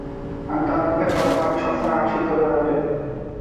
আমি তার মুখের কথা ভাবি, সবসময় হাসির ধরে রাখে।